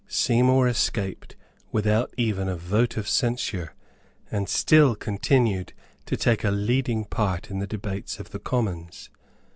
Seymour escaped without even a vote of censure, and still continued to take a leading part in the debates of the Commons.